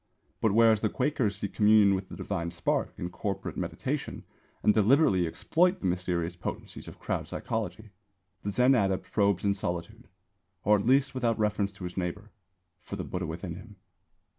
But whereas the Quakers seek communion with the Divine Spark in corporate meditation and deliberately exploit the mysterious potencies of crowd psychology the Zen adept probes in solitude (or at least without reference to his neighbour) for the Buddha within him.